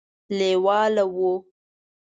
لېواله وو.